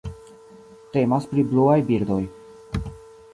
Temas pri bluaj birdoj.